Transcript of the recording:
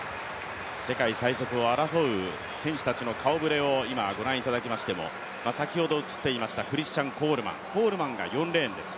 世界最速を争う選手たちの顔ぶれを今、ご覧いただきましても先ほど映っていましたクリスチャン・コールマンが４レーンです。